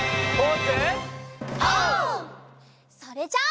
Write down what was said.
それじゃ。